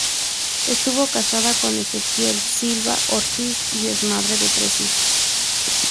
Estuvo casada con Exequiel Silva Ortiz y es madre de tres hijos.